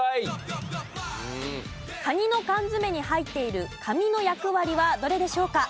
カニの缶詰に入っている紙の役割はどれでしょうか？